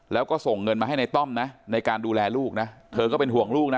แล้วก็ส่งเงินมาให้ในต้อมนะในการดูแลลูกนะเธอก็เป็นห่วงลูกนะ